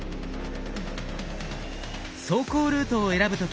走行ルートを選ぶ時